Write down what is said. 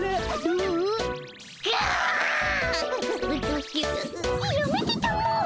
うやめてたも。